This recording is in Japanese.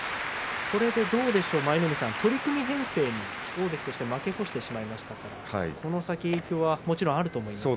これでどうでしょう、取組編成に大関として負け越してしまいましたからこの先影響はもちろんあると思います。